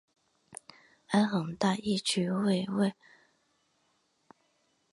爱很大一曲为味丹公司与相信音乐合作行销多喝水的计划下诞生的曲目。